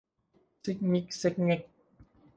ซิกงิกแซ็กแง็ก